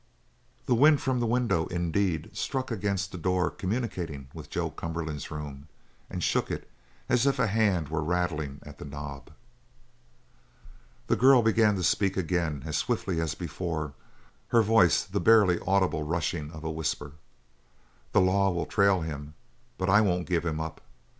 The wind from the window, indeed, struck against the door communicating with Joe Cumberland's room, and shook it as if a hand were rattling at the knob. The girl began to speak again, as swiftly as before, her voice the barely audible rushing of a whisper: "The law will trail him, but I won't give him up.